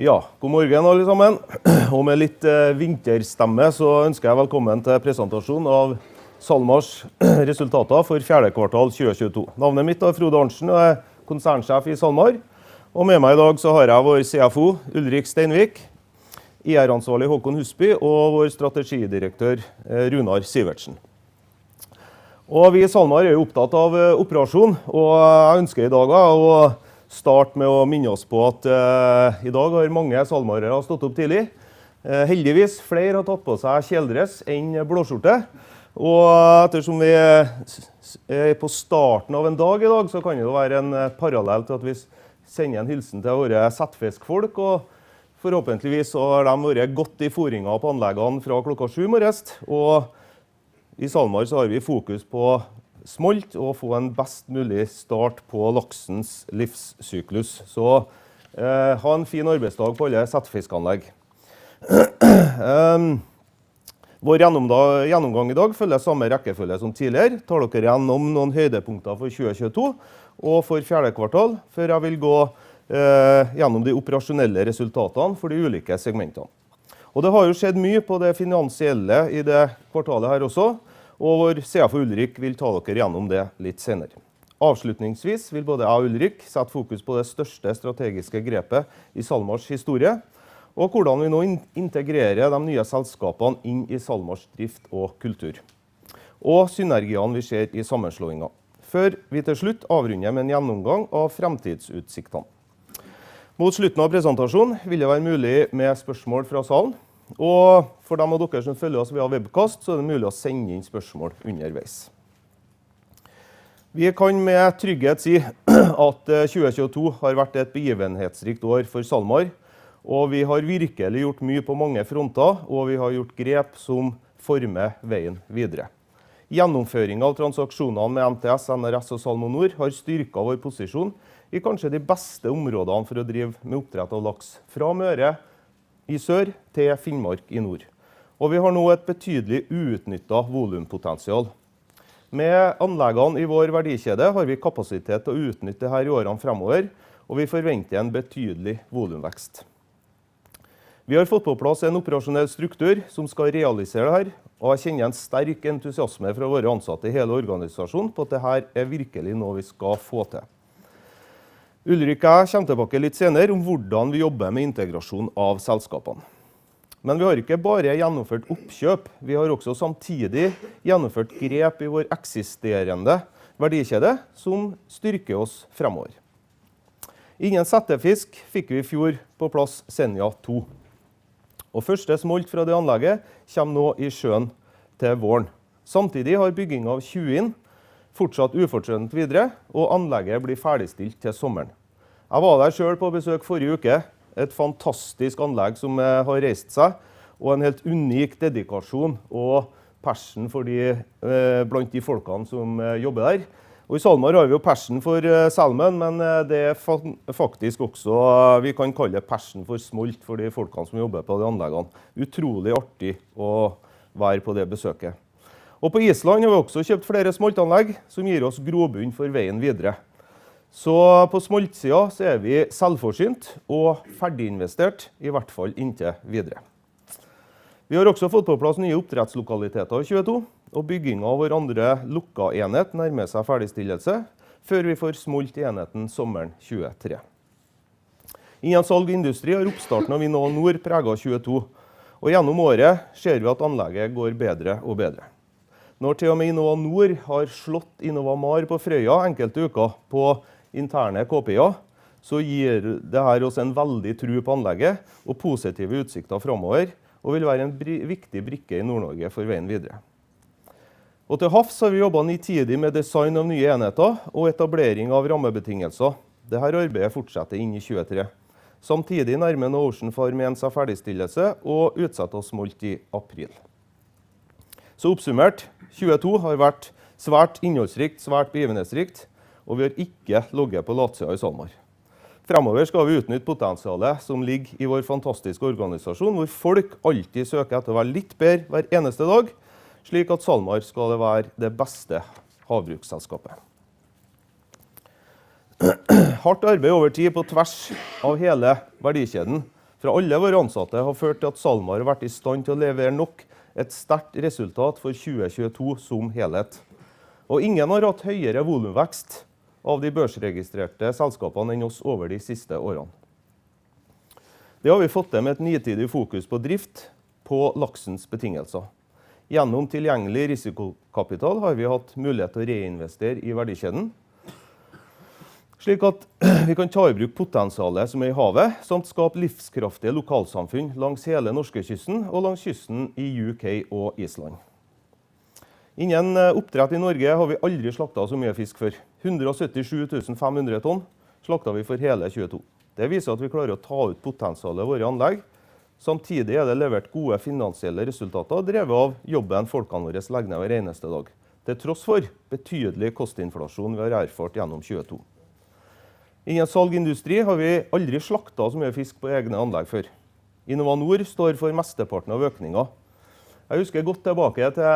Ja. God morgen alle sammen! Med litt vinterstemme så ønsker jeg velkommen til presentasjonen av SalMar's resultater for fourth quarter 2022. Navnet mitt er Frode Arntsen og er CEO at SalMar. Med meg i dag så har jeg vår CFO Ulrik Steinvik, IR-ansvarlig Håkon Husby og vår Chief Strategy Officer Runar Sivertsen. Vi i SalMar er jo opptatt av operasjon, og jeg ønsker i dag å starte med å minne oss på at i dag har mange SalMarere stått opp tidlig. Heldigvis, flere har tatt på seg kjeledress enn blåskjorte. Ettersom vi er på starten av en dag i dag, så kan det jo være en parallell til at vi sender en hilsen til våre settefiskfolk, og forhåpentligvis har de vært godt i foringen på anleggene fra klokken 7:00 A.M. i morges. I SalMar så har vi fokus på smolt og få en best mulig start på laksens livssyklus. Ha en fin arbeidsdag på alle settefiskanlegg. Vår gjennomgang i dag følger samme rekkefølge som tidligere. Tar dere gjennom noen høydepunkter for 2022 og for 4th quarter, før jeg vil gå gjennom de operasjonelle resultatene for de ulike segmentene. Det har jo skjedd mye på det finansielle i det kvartalet her også, og vår CFO Ulrik vil ta dere gjennom det litt senere. Avslutningsvis vil både jeg og Ulrik sette fokus på det største strategiske grepet i SalMar's historie, og hvordan vi nå integrerer de nye selskapene inn i SalMar's drift og kultur og synergiene vi ser i sammenslåingen. Før vi til slutt avrunder med en gjennomgang av framtidsutsiktene. Mot slutten av presentasjonen vil det være mulig med spørsmål fra salen. For de av dere som følger oss via webcast, så er det mulig å sende inn spørsmål underveis. Vi kan med trygghet si at 2022 har vært et begivenhetsrikt år for SalMar. Vi har virkelig gjort mye på mange fronter og vi har gjort grep som former veien videre. Gjennomføring av transaksjonene med NTS, NRS og SalmoNor har styrket vår posisjon i kanskje de beste områdene for å drive med oppdrett av laks. Fra Møre i sør til Finnmark i nord. Vi har nå et betydelig uutnyttet volumpotensial. Med anleggene i vår verdikjede har vi kapasitet til å utnytte dette i årene fremover. Vi forventer en betydelig volumvekst. Vi har fått på plass en operasjonell struktur som skal realisere dette, og jeg kjenner en sterk entusiasme fra våre ansatte i hele organisasjonen på at det her er virkelig noe vi skal få til. Ulrik og jeg kommer tilbake litt senere hvordan vi jobber med integrasjon av selskapene. Vi har ikke bare gjennomført oppkjøp, vi har også samtidig gjennomført grep i vår eksisterende verdikjede som styrker oss fremover. Innen settefisk fikk vi i fjor på plass Senja 2, og first smolt fra det anlegget kjem nå i sjøen til våren. Samtidig har bygging av Tjuin fortsatt ufortrødent videre, og anlegget blir ferdigstilt til sommeren. Jeg var der selv på besøk forrige uke. Et fantastisk anlegg som har reist seg og en helt unik dedikasjon og passion for blant de folkene som jobber der. I SalMar har vi jo passion for salmon, men det er faktisk også vi kan kalle passion for smolt for de folkene som jobber på de anleggene. Utrolig artig å være på det besøket. På Iceland har vi også kjøpt flere smoltanlegg som gir oss grobunn for veien videre. På smoltsiden så er vi selvforsynt og ferdiginvestert, i hvert fall inntil videre. Vi har også fått på plass nye oppdrettslokaliteter i 2022 og bygging av vår andre lukkede enhet nærmer seg ferdigstillelse før vi får smolt i enheten sommeren 2023. Igjen salg industri har oppstarten av InnovaNor preget 2022, og gjennom året ser vi at anlegget går bedre og bedre. Til og med InnovaNor har slått InnovaMar på Frøya enkelte uker på interne KPIer, det gir her oss en veldig tro på anlegget og positive utsikter fremover og vil være en viktig brikke i Nord-Norge for veien videre. Til havs har vi jobbet nitid med design av nye enheter og etablering av rammebetingelser. Det her arbeidet fortsetter inn i 2023. Samtidig nærmer Ocean Farm seg ferdigstillelse og utsatte oss smolt i april. Oppsummert. 2022 har vært svært innholdsrikt, svært begivenhetsrikt, og vi har ikke ligget på latsiden i SalMar. Fremover skal vi utnytte potensialet som ligger i vår fantastiske organisasjon, hvor folk alltid søker etter å være litt bedre hver eneste dag, slik at SalMar skal være det beste havbruksselskapet. Hardt arbeid over tid på tvers av hele verdikjeden fra alle våre ansatte har ført til at SalMar har vært i stand til å levere nok et sterkt resultat for 2022 som helhet. Ingen har hatt høyere volumvekst av de børsregistrerte selskapene enn oss over de siste årene. Det har vi fått til med et nitid fokus på drift på laksens betingelser. Gjennom tilgjengelig risikokapital har vi hatt mulighet til å reinvestere i verdikjeden, slik at vi kan ta i bruk potensialet som er i havet, samt skape livskraftige lokalsamfunn langs hele norskekysten og langs kysten i U.K. og Iceland. Innen oppdrett i Norge har vi aldri slaktet så mye fisk før. 177,500 tons slaktet vi for hele 2022. Det viser at vi klarer å ta ut potensialet i våre anlegg. Samtidig er det levert gode finansielle resultater drevet av jobben folkene våre legger ned hver eneste dag. Betydelig kostnadsinflasjon vi har erfart gjennom 2022. Innen salg industri har vi aldri slaktet så mye fisk på egne anlegg før. InnovaNor står for mesteparten av økningen. Jeg husker godt tilbake til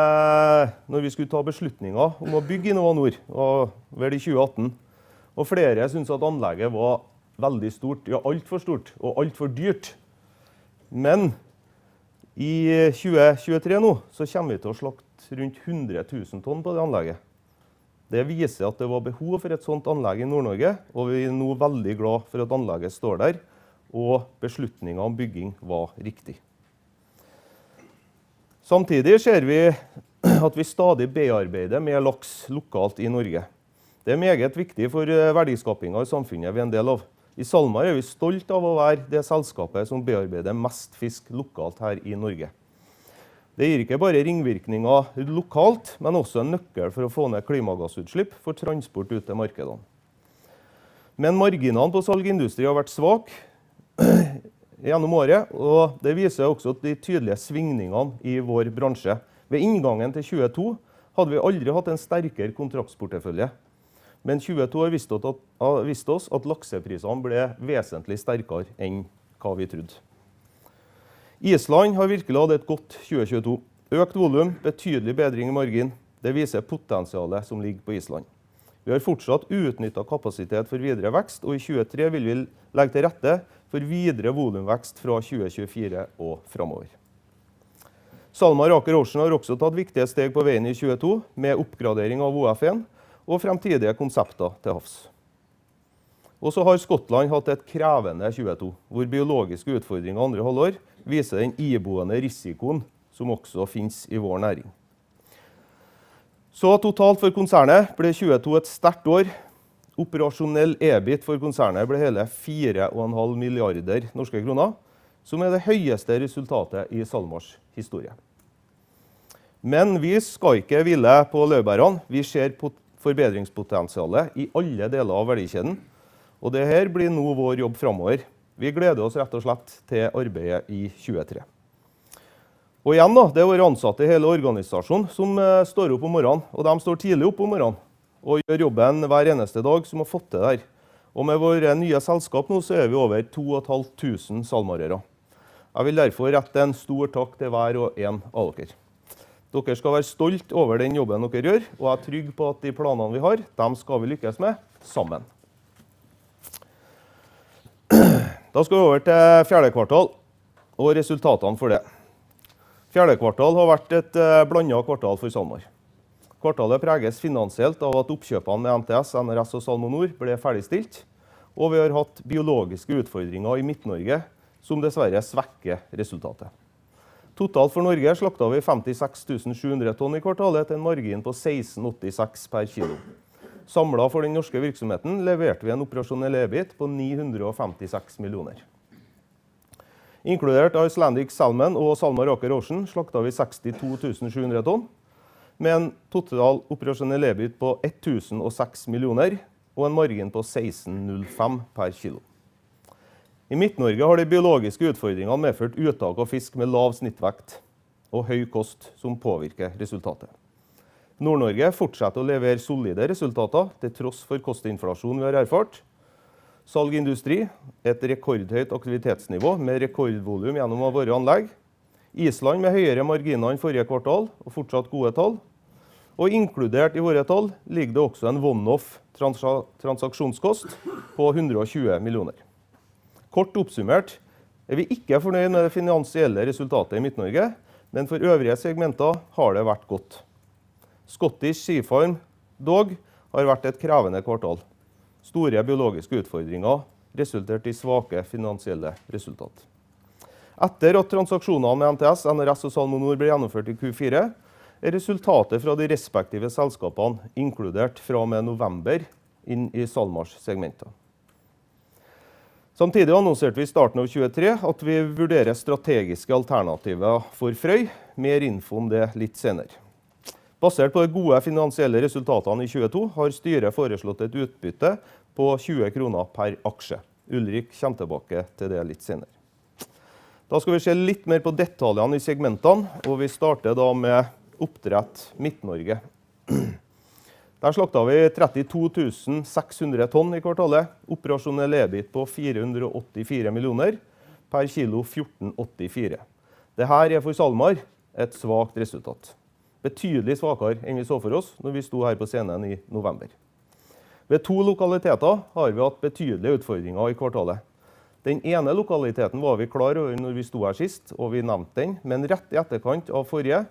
når vi skulle ta beslutninger om å bygge InnovaNor og vel i 2018, flere syntes at anlegget var veldig stort, ja alt for stort og altfor dyrt. I 2023 nå så kommer vi til å slakte rundt 100,000 tonn på det anlegget. Det viser at det var behov for et sånt anlegg i Nord-Norge, vi er nå veldig glad for at anlegget står der og beslutningen om bygging var riktig. Samtidig ser vi at vi stadig bearbeider mer laks lokalt i Norge. Det er meget viktig for verdiskapingen i samfunnet vi er en del av. I SalMar er vi stolt av å være det selskapet som bearbeider mest fisk lokalt her i Norge. Det gir ikke bare ringvirkninger lokalt, men også en nøkkel for å få ned klimagassutslipp for transport ut til markedene. Marginene på salg i industri har vært svak gjennom året, og det viser også de tydelige svingningene i vår bransje. Ved inngangen til 2022 hadde vi aldri hatt en sterkere kontraktsportefølje, men 2022 har vist oss at lakseprisene ble vesentlig sterkere enn hva vi trodde. Island har virkelig hatt et godt 2022. Økt volum, betydelig bedring i margin. Det viser potensialet som ligger på Island. Vi har fortsatt uutnyttet kapasitet for videre vekst, og i 2023 vil vi legge til rette for videre volumvekst fra 2024 og fremover. SalMar Aker Ocean har også tatt viktige steg på veien i 2022 med oppgradering av OF1 og fremtidige konsepter til havs. Og så har Skottland hatt et krevende 2022 hvor biologiske utfordringer andre halvår viser den iboende risikoen som også finnes i vår næring. Totalt for konsernet ble 2022 et sterkt år. Operasjonell EBIT for konsernet ble hele 4.5 billion kroner, som er det høyeste resultatet i SalMars historie. Vi skal ikke hvile på laurbærene. Vi ser på forbedringspotensiale i alle deler av verdikjeden, og det her blir nå vår jobb framover. Vi gleder oss rett og slett til arbeidet i 2023. Igjen da, det er våre ansatte i hele organisasjonen som står opp om morgenen, og de står tidlig opp om morgenen og gjør jobben hver eneste dag som har fått det der. Med våre nye selskap nå så er vi over 2,500 SalMarere. Jeg vil derfor rette en stor takk til hver og en av dere. Dere skal være stolt over den jobben dere gjør, og jeg er trygg på at de planene vi har, de skal vi lykkes med sammen. Vi skal over til fourth quarter og resultatene for det. Fourth quarter har vært et blandet kvartal for SalMar. Kvartalet preges finansielt av at oppkjøpene med NTS, NRS og SalmoNor ble ferdigstilt, og vi har hatt biologiske utfordringer i Midt-Norge som dessverre svekker resultatet. Totalt for Norge slaktet vi 56,700 tons i kvartalet til en margin på 16.86 per kilo. Samlet for den norske virksomheten leverte vi en Operasjonell EBIT på 956 million. Inkludert Icelandic Salmon og SalMar Aker Ocean slaktet vi 62,700 tons, med en total Operasjonell EBIT på 1,006 million og en margin på 16.05 per kilo. I Midt-Norge har de biologiske utfordringene medført uttak av fisk med lav snittvekt og høy kost som påvirker resultatet. Nord-Norge fortsetter å levere solide resultater, til tross for kostnadsinflasjon vi har erfart. Salg industri, et rekordhøyt aktivitetsnivå med rekordvolum gjennom våre anlegg. Island med høyere margin enn forrige kvartal og fortsatt gode tall og inkludert i våre tall ligger det også en one off transaksjonskost på 120 million. Kort oppsummert er vi ikke fornøyd med det finansielle resultatet i Midt-Norge, men for øvrige segmenter har det vært godt. Scottish Sea Farms dog har vært et krevende kvartal. Store biologiske utfordringer resulterte i svake finansielle resultat. Etter at transaksjonene med NTS, NRS og SalmoNor ble gjennomført i Q4, er resultatet fra de respektive selskapene inkludert fra og med november inn i SalMar's segmenter. Samtidig annonserte vi i starten av 2023 at vi vurderer strategiske alternativer for Frøy. Mer info om det litt senere. Basert på de gode finansielle resultatene i 2022 har styret foreslått et utbytte på 20 kroner per aksje. Ulrik kommer tilbake til det litt senere. Skal vi se litt mer på detaljene i segmentene. Vi starter da med Oppdrett Midt-Norge. Her slaktet vi 32,600 tons i kvartalet. Operasjonell EBIT på NOK 484 million per kilo 14.84. Det her er for SalMar et svakt resultat, betydelig svakere enn vi så for oss når vi sto her på scenen i november. Ved two lokaliteter har vi hatt betydelige utfordringer i kvartalet. Den ene lokaliteten var vi klar over når vi sto her sist, og vi nevnte den. Rett i etterkant av forrige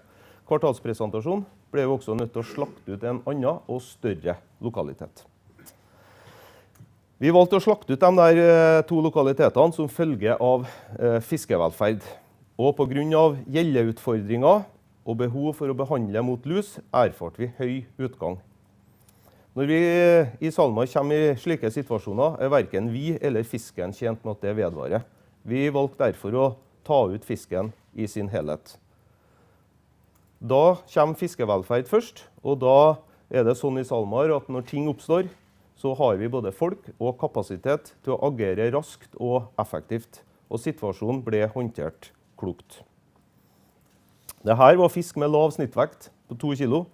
kvartalspresentasjon ble vi også nødt til å slakte ut en annen og større lokalitet. Vi valgte å slakte ut de der 2 lokalitetene som følge av fiskevelferd og på grunn av gjelleutfordringer og behov for å behandle mot lus, erfarte vi høy utgang. Når vi i SalMar kommer i slike situasjoner, er verken vi eller fisken tjent med at det vedvarer. Vi valgte derfor å ta ut fisken i sin helhet. Kommer fiskevelferd først, og da er det sånn i SalMar at når ting oppstår, så har vi både folk og kapasitet til å agere raskt og effektivt. Situasjonen ble håndtert klokt. Det her var fisk med lav snittvekt på 2 kilo.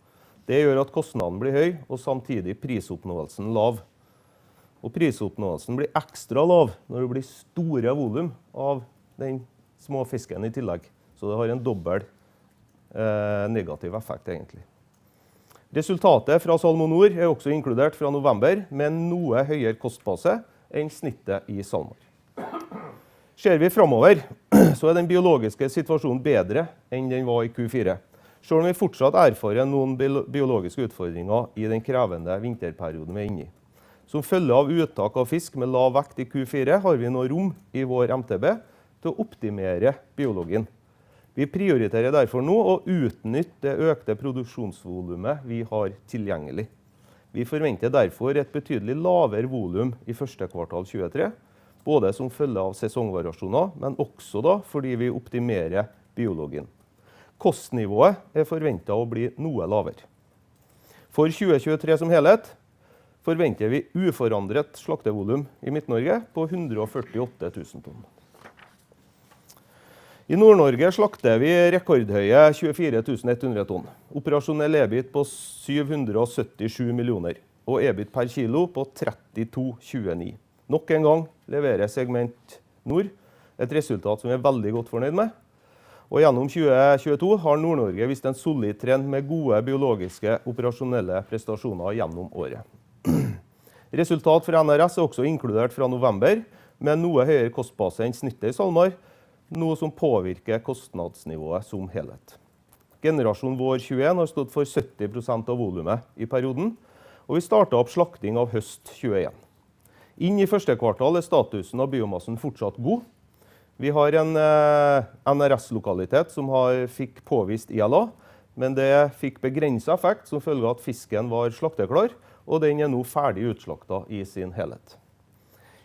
Det gjør at kostnaden blir høy og samtidig prisoppnåelsen lav. Prisoppnåelsen blir ekstra lav når det blir store volum av den små fisken i tillegg, så det har en dobbel negativ effekt egentlig. Resultatet fra SalmoNor er også inkludert fra november, men noe høyere kostbase enn snittet i SalMar. Ser vi framover så er den biologiske situasjonen bedre enn den var i Q4. Selv om vi fortsatt erfarer noen biologiske utfordringer i den krevende vinterperioden vi er inne i. Som følge av uttak av fisk med lav vekt i Q4, har vi nå rom i vår MTB til å optimere biologien. Vi prioriterer derfor nå å utnytte det økte produksjonsvolumet vi har tilgjengelig. Vi forventer derfor et betydelig lavere volum i første kvartal 2023. Både som følge av sesongvariasjoner, men også da fordi vi optimerer biologien. Kostnivået er forventet å bli noe lavere. For 2023 som helhet forventer vi uforandret slaktevolum i Midt-Norge på 148,000 tons. I Nord-Norge slakter vi rekordhøye 24,100 tons. Operasjonell EBIT på 777 million og EBIT per kilo på 32.29. Nok en gang leverer segment Nord et resultat som vi er veldig godt fornøyd med, og gjennom 2022 har Nord-Norge vist en solid trend med gode biologiske operasjonelle prestasjoner gjennom året. Resultat for NRS er også inkludert fra november, med noe høyere kostbase enn snittet i SalMar, noe som påvirker kostnadsnivået som helhet. Generasjon vår 21 har stått for 70% av volumet i perioden, og vi startet opp slakting av høst 21. Inn i first quarter er statusen av biomassen fortsatt god. Vi har en NRS lokalitet som har fikk påvist ILA, men det fikk begrenset effekt som følge av at fisken var slakteklar, og den er nå ferdig utslaktet i sin helhet.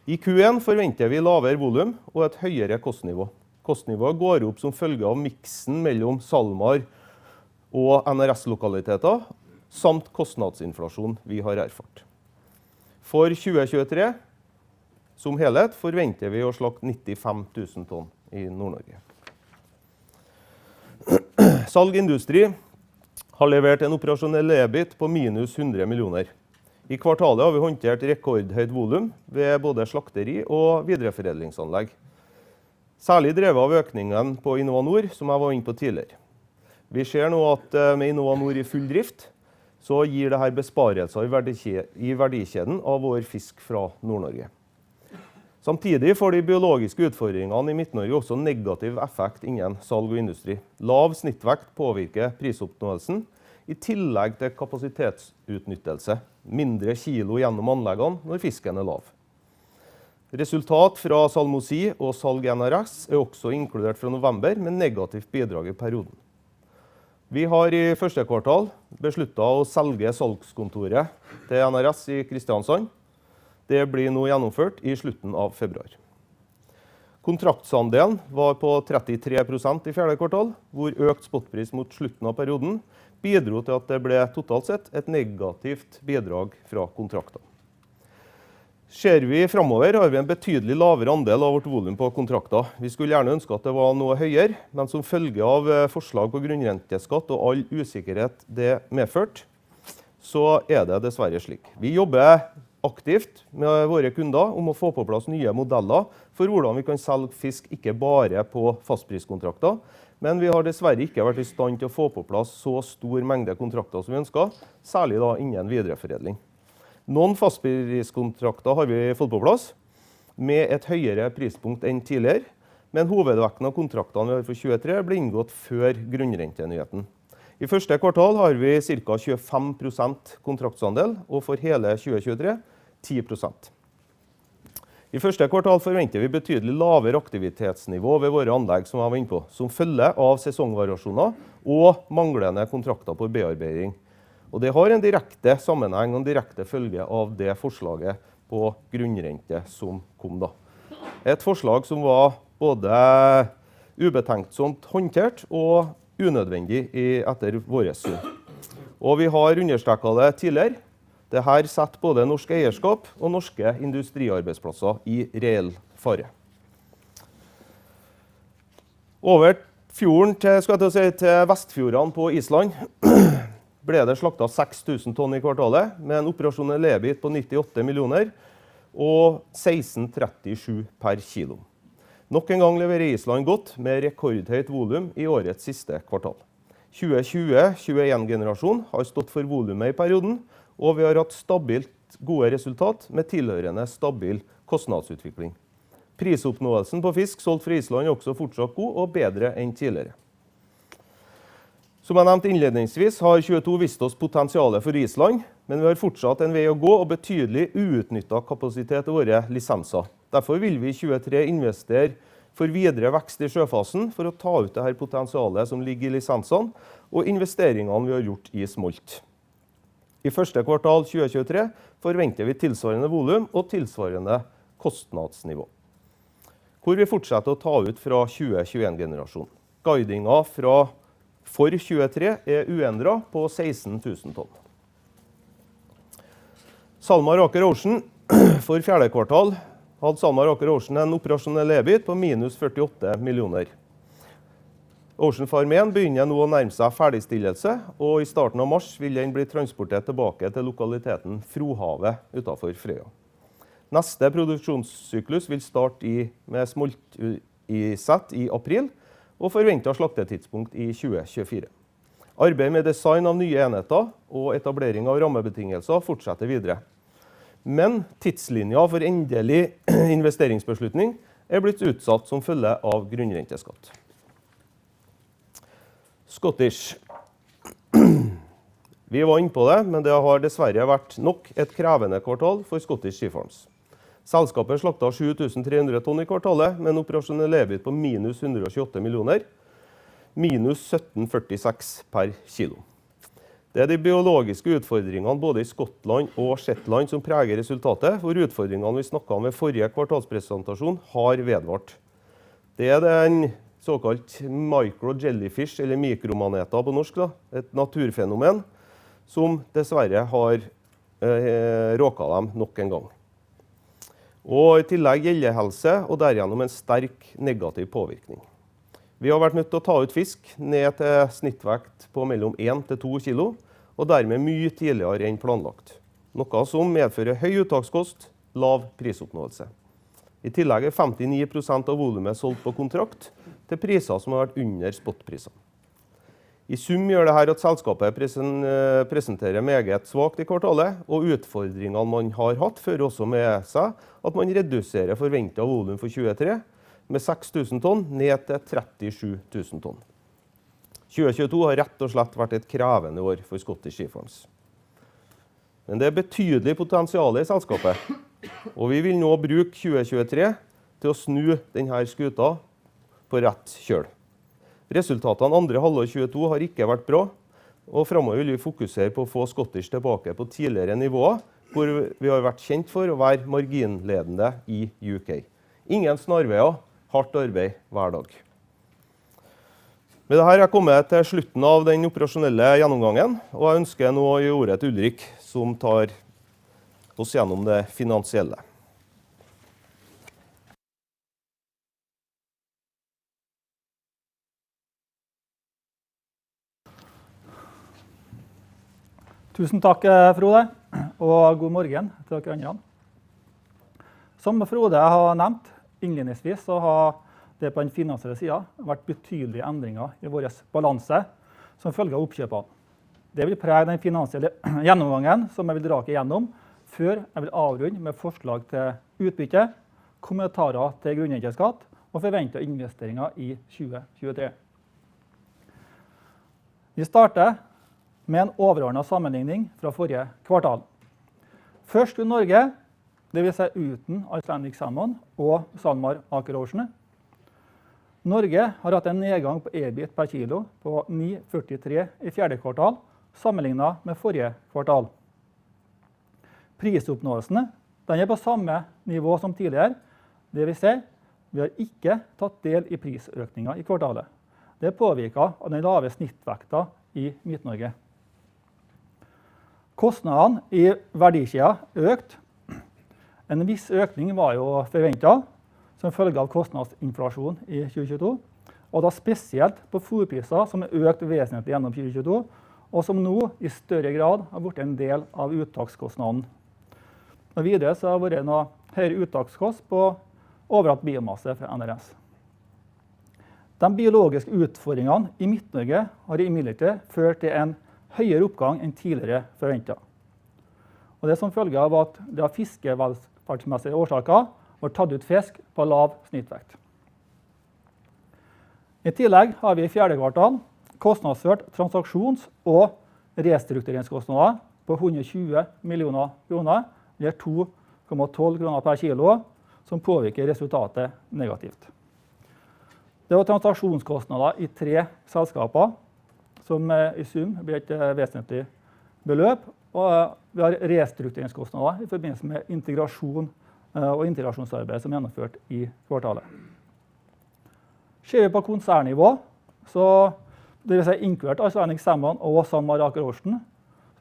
I Q1 forventer vi lavere volum og et høyere kostnivå. Kostnivået går opp som følge av miksen mellom SalMar og NRS lokaliteter, samt kostnadsinflasjon vi har erfart. For 2023 som helhet forventer vi å slakte 95,000 tons i Nord-Norge. Salg Industri har levert en Operasjonell EBIT på minus 100 million. I kvartalet har vi håndtert rekordhøyt volum ved både slakteri og videreforedlingsanlegg, særlig drevet av økningen på Innova Nor som jeg var inne på tidligere. Vi ser nå at med Innova Nor i full drift så gir det her besparelser i verdikjeden av vår fisk fra Nord-Norge. Samtidig får de biologiske utfordringene i Midt-Norge også negativ effekt innen salg og industri. Lav snittvekt påvirker prisoppnåelsen i tillegg til kapasitetsutnyttelse. Mindre kilo gjennom anleggene når fisken er lav. Resultat fra SalmoNor og salg NRS er også inkludert fra November, med negativt bidrag i perioden. Vi har i første kvartal besluttet å selge salgskontoret til NRS i Kristiansand. Det blir nå gjennomført i slutten av February. Kontraktsandelen var på 33% i fjerde kvartal, hvor økt spotpris mot slutten av perioden bidro til at det ble totalt sett et negativt bidrag fra kontraktene. Ser vi framover har vi en betydelig lavere andel av vårt volum på kontrakter. Vi skulle gjerne ønsket at det var noe høyere, men som følge av forslag på grunnrenteskatt og all usikkerhet det medførte, så er det dessverre slik. Vi jobber aktivt med våre kunder om å få på plass nye modeller for hvordan vi kan selge fisk ikke bare på fastpriskontrakter, men vi har dessverre ikke vært i stand til å få på plass så stor mengde kontrakter som vi ønsker, særlig da innen videreforedling. Noen fastpriskontrakter har vi fått på plass med et høyere prispunkt enn tidligere, men hovedvekten av kontraktene vi har for 2023 ble inngått før grunnrente nyheten. I first quarter har vi cirka 25% kontraktsandel, og for hele 2023 10%. I first quarter forventer vi betydelig lavere aktivitetsnivå ved våre anlegg, som jeg var inne på som følge av sesongvariasjoner og manglende kontrakter på bearbeiding. Det har en direkte sammenheng og en direkte følge av det forslaget på grunnrente som kom da. Et forslag som var både ubetenksomt håndtert og unødvendig i etter vårt syn. Vi har understreket det tidligere. Det her setter både norsk eierskap og norske industriarbeidsplasser i reell fare. Over fjorden til, jeg skulle til å si til Vestfirðir på Island ble det slaktet 6,000 tons i kvartalet, med en Operasjonell EBIT på 98 million og 16.37 per kilo. Nok en gang leverer Island godt med rekordhøyt volum i årets siste kvartal. 2020-21 generasjon har stått for volumet i perioden, og vi har hatt stabilt gode resultat med tilhørende stabil kostnadsutvikling. Prisoppnåelsen på fisk solgt fra Island er også fortsatt god og bedre enn tidligere. Som jeg nevnte innledningsvis har 2022 vist oss potensialet for Island, men vi har fortsatt en vei å gå og betydelig uutnyttet kapasitet i våre lisenser. Vi vil i 2023 investere for videre vekst i sjøfasen for å ta ut det potensialet som ligger i lisensene og investeringene vi har gjort i smolt. I first quarter 2023 forventer vi tilsvarende volum og tilsvarende kostnadsnivå hvor vi fortsetter å ta ut fra 2021 generation. Guidingen for 2023 er uendret på 16,000 tons. SalMar Aker Ocean. For fourth quarter hadde SalMar Aker Ocean en Operasjonell EBIT på minus 48 million. Ocean Farm 1 begynner nå å nærme seg ferdigstillelse, og i starten av mars vil den bli transportert tilbake til lokaliteten Frohavet utenfor Frøya. Neste produksjonssyklus vil starte med smoltuttak i april og forventet slaktetidspunkt i 2024. Arbeidet med design av nye enheter og etablering av rammebetingelser fortsetter videre, tidslinjen for endelig investeringsbeslutning er blitt utsatt som følge av grunnrenteskatt. Scottish. Vi var inne på det har dessverre vært nok et krevende kvartal for Scottish Sea Farms. Selskapet slaktet 7,300 tons i kvartalet, men Operasjonell EBIT på -128 million, -17.46 per kilo. Det er de biologiske utfordringene både i Skottland og Shetland som preger resultatet, hvor utfordringene vi snakket om ved forrige kvartalspresentasjon har vedvart. Det er den såkalt micro jellyfish eller mikromaneter på norsk da. Et naturfenomen som dessverre har råket dem nok en gang. I tillegg gill health og derigjennom en sterk negativ påvirkning. Vi har vært nødt til å ta ut fisk ned til snittvekt på mellom 1-2 kilo og dermed mye tidligere enn planlagt, noe som medfører høy uttakskost. Lav prisoppnåelse. I tillegg er 59% av volumet solgt på kontrakt til priser som har vært under spotprisene. I sum gjør det her at selskapet presenterer meget svakt i kvartalet, og utfordringene man har hatt fører også med seg at man reduserer forventet volum for 2023 med 6,000 tons ned til 37,000 tons. 2022 har rett og slett vært et krevende år for Scottish Sea Farms. Det er betydelig potensial i selskapet, og vi vil nå bruke 2023 til å snu den her skuta på rett kjøl. Resultatene andre halvår 2022 har ikke vært bra, og fremover vil vi fokusere på å få Scottish tilbake på tidligere nivåer hvor vi har vært kjent for å være marginledende i U.K. Ingen snarveier. Hardt arbeid hver dag. Med det her er kommet til slutten av den operasjonelle gjennomgangen, og jeg ønsker nå å gi ordet til Ulrik som tar oss gjennom det finansielle. Tusen takk, Frode. God morgen til dere andre. Som Frode har nevnt innledningsvis, så har det på den finansielle siden vært betydelige endringer i vår balanse som følge av oppkjøpene. Det vil prege den finansielle gjennomgangen som jeg vil dra dere gjennom før jeg vil avrunde med forslag til utbytte. Kommenterer til grunnrenteskatt og forventede investeringer i 2023. Vi starter med en overordnet sammenligning fra forrige kvartal. Først i Norge, det vil si uten Icelandic Salmon og SalMar Aker Ocean. Norge har hatt en nedgang på EBIT per kilo på 9.43 i fourth quarter, sammenlignet med forrige kvartal. Prisoppnåelsen den er på samme nivå som tidligere. Det vil si, vi har ikke tatt del i prisøkningen i kvartalet. Det er påvirket av den lave snittvekten i Midt-Norge. Kostnadene i verdikjeden økt. En viss økning var jo forventet som følge av kostnadsinflasjonen i 2022, og da spesielt på fôrpriser som har økt vesentlig gjennom 2022, og som nå i større grad har blitt en del av uttakskostnadene. Videre så har vært noe høyere uttakskostnad på overført biomasse fra NRS. De biologiske utfordringene i Midt-Norge har imidlertid ført til en høyere oppgang enn tidligere forventet, og det som følge av at det av fiskevelferdsmessige årsaker var tatt ut fisk på lav snittvekt. I tillegg har vi i fourth quarter kostnadsført transaksjons og restruktureringskostnader på 120 million kroner, eller 2.12 kroner per kilo, som påvirker resultatet negativt. Det var transaksjonskostnader i three companies som i sum blir til vesentlig beløp, og vi har restruktureringskostnader i forbindelse med integrasjon og integrasjonsarbeid som er gjennomført i kvartalet. Ser vi på konsernnivå, så det vil si inkludert Icelandic Salmon og SalMar Aker Ocean,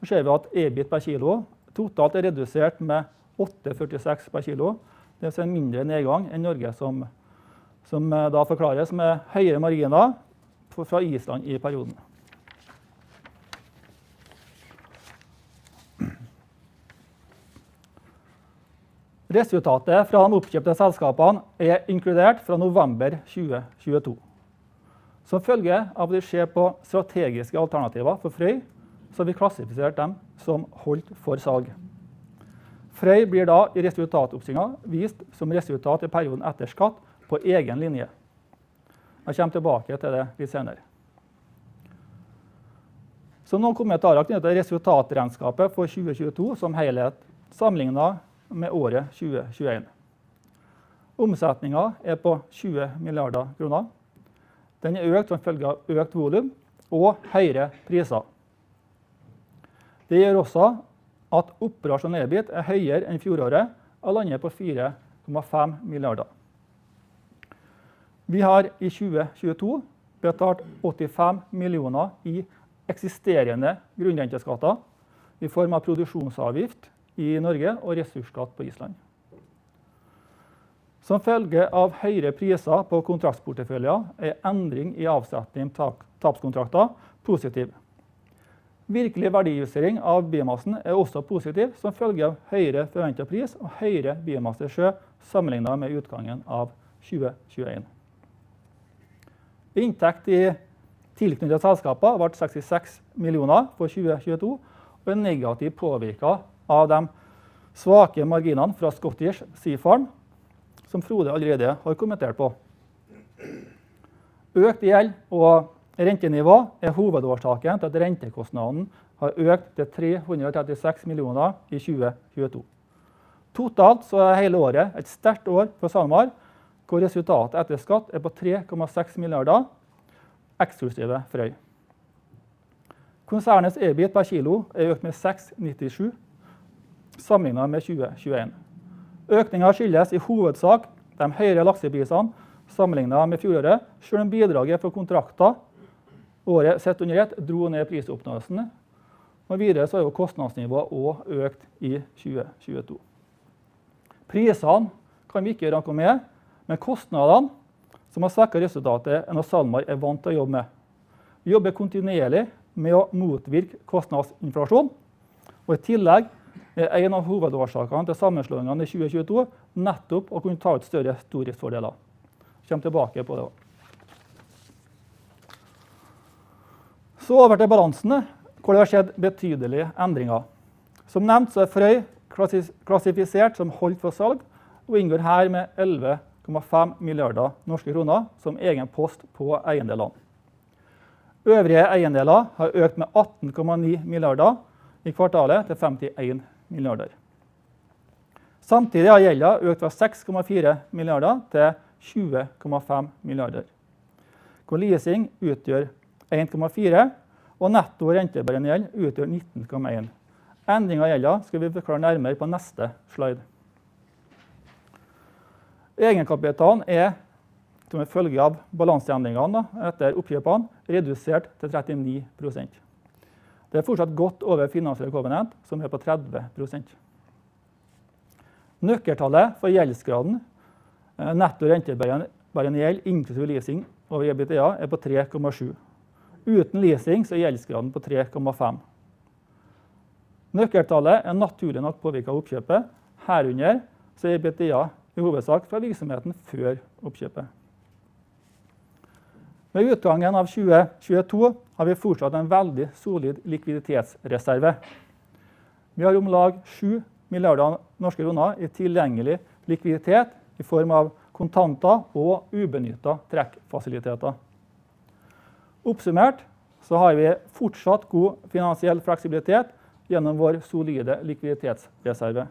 så ser vi at EBIT per kilo totalt er redusert med 8.46 per kilo. Det vil si en mindre nedgang enn Norge som da forklares med høyere marginer fra Island i perioden. Resultatet fra de oppkjøpte selskapene er inkludert fra November 2022. Som følge av vi ser på strategiske alternativer for Frøy. Vi klassifiserte dem som holdt for salg. Frøy blir da i resultatoppgangen vist som resultat i perioden etter skatt på egen linje. Jeg kommer tilbake til det litt senere. Noen kommentarer knyttet til resultatregnskapet for 2022 som helhet, sammenlignet med året 2021. Omsetningen er på 20 billion kroner. Den er økt som følge av økt volum og høyere priser. Det gjør også at Operasjonell EBIT er høyere enn fjoråret og lander på 4.5 billion. Vi har i 2022 betalt 85 million i eksisterende grunnrenteskatter i form av produksjonsavgift i Norge og ressursskatt på Island. Som følge av høyere priser på kontraktsporteføljen er endring i avsetning tap, tapskontrakter positiv. Virkelig verdijustering av biomassen er også positiv som følge av høyere forventet pris og høyere biomasse i sjø sammenlignet med utgangen av 2021. Inntekt i tilknyttede selskaper vart NOK 66 million for 2022, og er negativt påvirket av de svake marginene fra Scottish Sea Farms som Frode allerede har kommentert på. Økt gjeld og rentenivå er hovedårsaken til at rentekostnadene har økt til 336 million i 2022. Totalt så er hele året et sterkt år for SalMar, hvor resultatet etter skatt er på 3.6 billion eksklusiv Frøy. Konsernets EBIT per kilo er økt med 6.97 sammenlignet med 2021. Økningen skyldes i hovedsak de høyere lakseprisene sammenlignet med fjoråret. Selv om bidraget fra kontrakter året sett under ett dro ned prisoppnåelsen. Videre så er jo kostnadsnivået også økt i 2022. Prisene kan vi ikke gjøre noe med, men kostnadene som har svakere resultatet enn hva SalMar er vant til å jobbe med. Vi jobber kontinuerlig med å motvirke kostnadsinflasjon, og i tillegg er en av hovedårsakene til sammenslåingen i 2022 nettopp å kunne ta ut større stordriftsfordeler. Kommer tilbake på det og. Over til balansene, hvor det har skjedd betydelige endringer. Som nevnt så er Frøy klassifisert som holdt for salg og inngår her med 11.5 billion kroner som egen post på eiendelene. Øvrige eiendeler har økt med 18.9 billion i kvartalet til 51 billion. Samtidig har gjelden økt fra 6.4 billion til 20.5 billion, hvor leasing utgjør 1.4 billion og netto rentebærende gjeld utgjør 19.1 billion. Endring av gjelda skal vi forklare nærmere på neste slide. Egenkapitalen er som en følge av balanseendringene etter oppkjøpene redusert til 39%. Det er fortsatt godt over finansiell kovenant, som er på 30%. Nøkkeltallet for gjeldsgraden netto rentebærende gjeld inklusiv leasing og EBITDA er på 3.7. Uten leasing så er gjeldsgraden på 3.5. Nøkkeltallet er naturlig nok påvirket av oppkjøpet. Herunder så er EBITDA i hovedsak fra virksomheten før oppkjøpet. Ved utgangen av 2022 har vi fortsatt en veldig solid likviditetsreserve. Vi har om lag 7 billion kroner i tilgjengelig likviditet i form av kontanter og ubenyttede trekkfasiliteter. Oppsummert så har vi fortsatt god finansiell fleksibilitet gjennom vår solide likviditetsreserve.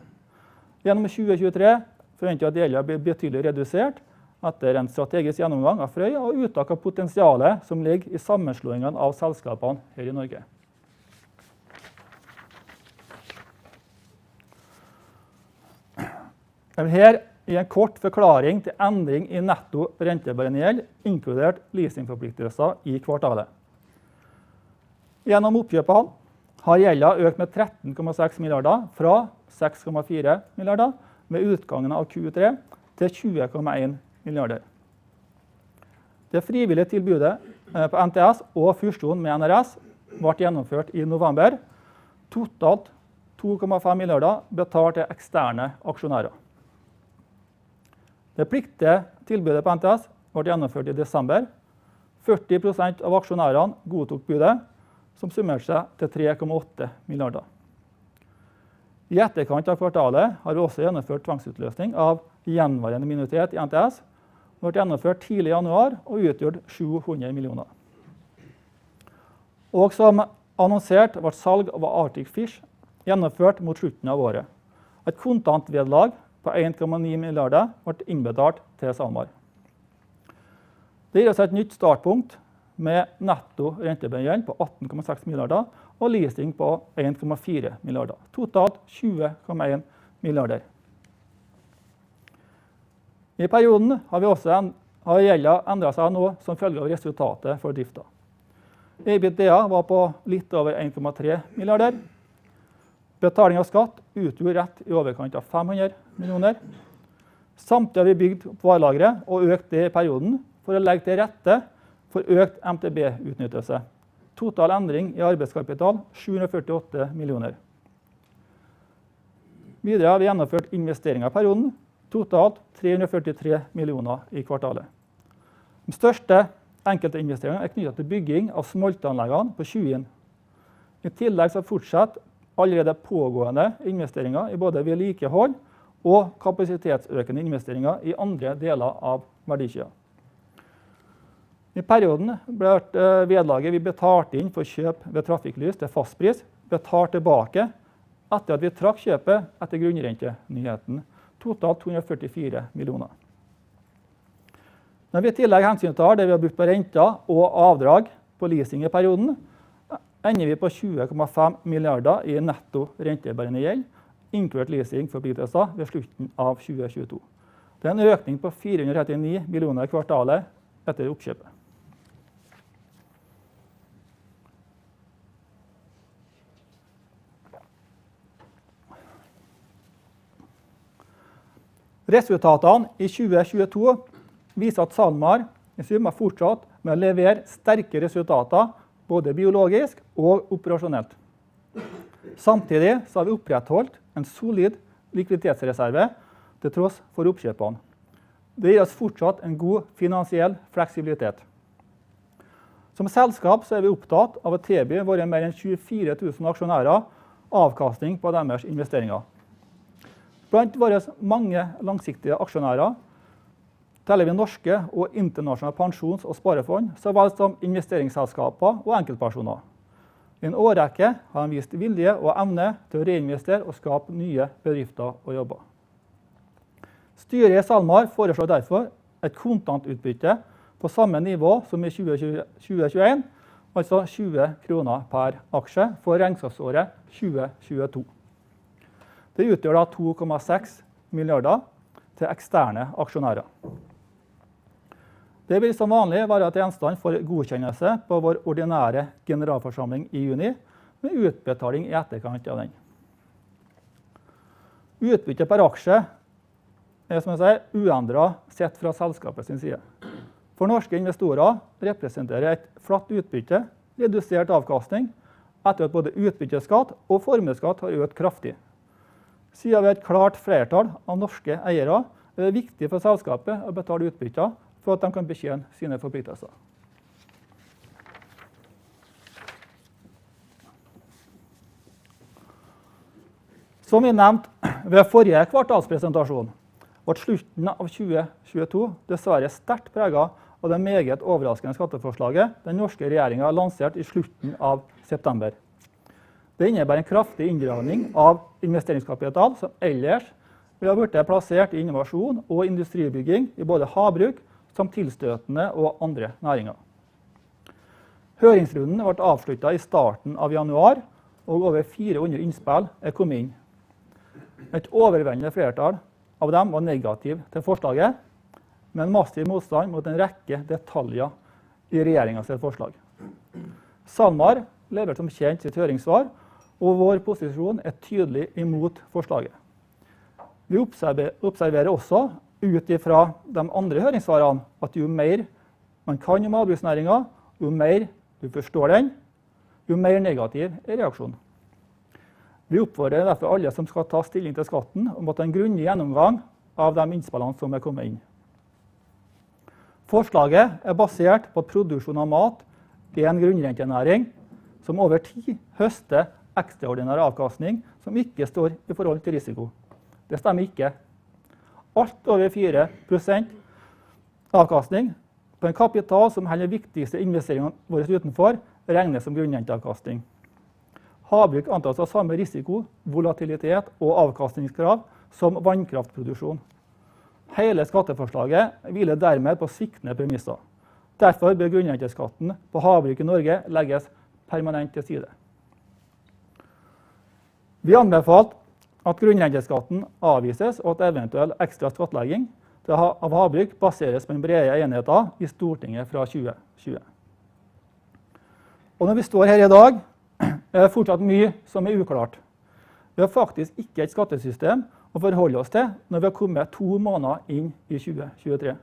Gjennom 2023 forventes gjelden å bli betydelig redusert etter en strategisk gjennomgang av Frøy og uttak av potensialet som ligger i sammenslåingen av selskapene her i Norge. Her er en kort forklaring til endring i netto rentebærende gjeld, inkludert leasingforpliktelser i kvartalet. Gjennom oppkjøpene har gjelda økt med 13.6 billion fra 6.4 billion med utgangen av Q3 til 20.1 billion. Det frivillige tilbudet på NTS og fusjonen med NRS ble gjennomført i november. Totalt 2.5 billion ble betalt til eksterne aksjonærer. Det pliktige tilbudet på NTS ble gjennomført i desember. 40% av aksjonærene godtok budet, som summerte seg til 3.8 billion. I etterkant av kvartalet har vi også gjennomført tvangsutløsning av gjenværende minoritet i NTS. Det ble gjennomført tidlig i januar og utgjorde 700 million. Som annonsert vart salg av Arctic Fish gjennomført mot slutten av året. Et kontantvederlag på 1.9 milliarder vart innbetalt til SalMar. Det gir oss et nytt startpunkt med netto rentebærende gjeld på 18.6 milliarder og leasing på 1.4 milliarder. Totalt 20.1 milliarder. I perioden har gjelda endret seg noe som følge av resultatet for drifta. EBITDA var på litt over 1.3 milliarder. Betaling av skatt utgjorde rett i overkant av 500 million. Samtidig har we bygd på lageret og økt det i perioden for å legge til rette for økt MTB utnyttelse. Total endring i arbeidskapital 748 million. Videre har vi gjennomført investeringer i perioden, totalt 343 million i kvartalet. Den største enkeltinvesteringen er knyttet til bygging av smoltanleggene på Tjuin. I tillegg fortsetter allerede pågående investeringer i både vedlikehold og kapasitetsøkende investeringer i andre deler av verdikjeden. I perioden ble vedlaget vi betalte inn for kjøp ved Trafikklys til fastpris betalt tilbake etter at vi trakk kjøpet etter grunnrentenyheten. Totalt 244 million. I tillegg hensyntar det vi har brukt på renter og avdrag på leasing i perioden, ender vi på 20.5 billion i Netto rentebærende gjeld, inkludert leasingforpliktelser ved slutten av 2022. Det er en økning på 439 million i kvartalet etter oppkjøpet. Resultatene i 2022 viser at SalMar i sum har fortsatt med å levere sterke resultater både biologisk og operasjonelt. Vi har opprettholdt en solid likviditetsreserve til tross for oppkjøpene. Det gir oss fortsatt en god finansiell fleksibilitet. Som selskap så er vi opptatt av å tilby våre mer enn 24,000 aksjonærer avkastning på deres investeringer. Blant våre mange langsiktige aksjonærer teller vi norske og internasjonale pensjons og sparefond, så vel som investeringsselskaper og enkeltpersoner. I en årrekke har de vist vilje og evne til å reinvestere og skape nye bedrifter og jobber. Styret i SalMar foreslår derfor et kontantutbytte på samme nivå som i 2020, 2021. Altså 20 kroner per aksje for regnskapsåret 2022. Det utgjør da 2.6 billioner til eksterne aksjonærer. Det vil som vanlig være til gjenstand for godkjennelse på vår ordinære generalforsamling i juni, med utbetaling i etterkant av den. Utbyttet per aksje er som jeg sier uendret sett fra selskapet sin side. For norske investorer representerer et flatt utbytte redusert avkastning etter at både utbytteskatt og formuesskatt har økt kraftig. Siden vi har et klart flertall av norske eiere, er det viktig for selskapet å betale utbytter for at de kan betjene sine forpliktelser. Som vi nevnte ved forrige kvartalspresentasjon, vart slutten av 2022 dessverre sterkt preget av det meget overraskende skatteforslaget den norske regjeringen lanserte i slutten av september. Det innebærer en kraftig inngravering av investeringskapital som ellers ville ha blitt plassert i innovasjon og industribygging i både havbruk som tilstøtende og andre næringer. Høringsrunden vart avsluttet i starten av januar, og over 400 innspill er kommet inn. Et overveldende flertall av dem var negative til forslaget, med en massiv motstand mot en rekke detaljer i regjeringens forslag. SalMar leverte som kjent sitt høringssvar, vår posisjon er tydelig imot forslaget. Vi observerer også ut i fra de andre høringssvarene at jo mer man kan om havbruksnæringen, jo mer du forstår den, jo mer negativ er reaksjonen. Vi oppfordrer derfor alle som skal ta stilling til skatten om at en grundig gjennomgang av de innspillene som er kommet inn. Forslaget er basert på at produksjon av mat er en grunnrentenæring som over tid høster ekstraordinær avkastning som ikke står i forhold til risiko. Det stemmer ikke. Alt over 4% avkastning på en kapital som holder de viktigste investeringene våre utenfor regnes som grunnrenteavkastning. Havbruk antas å ha samme risiko, volatilitet og avkastningskrav som vannkraftproduksjon. Hele skatteforslaget hviler dermed på sviktende premisser. Bør grunnrenteskatten på havbruk i Norge legges permanent til side. Vi anbefaler at grunnrenteskatten avvises og at eventuell ekstra skattlegging av havbruk baseres på den brede enigheten i Stortinget fra 2020. Når vi står her i dag er det fortsatt mye som er uklart. Vi har faktisk ikke et skattesystem å forholde oss til når vi har kommet 2 måneder inn i 2023.